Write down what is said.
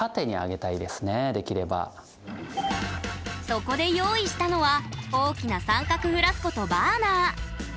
そこで用意したのは大きな三角フラスコとバーナー。